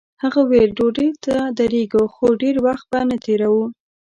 هغه ویل ډوډۍ ته درېږو خو ډېر وخت به نه تېروو.